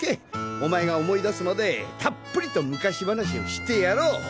お前が思い出すまでたっぷりと昔話をしてやろう！